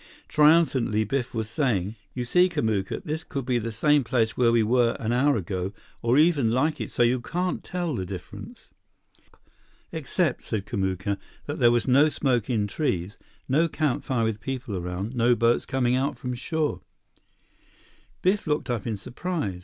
Triumphantly, Biff was saying: "You see, Kamuka? This could be the same place where we were an hour ago, or enough like it so you can't tell the difference—" "Except," said Kamuka, "that there was no smoke in trees, no campfire with people around, no boats coming out from shore—" Biff looked up in surprise.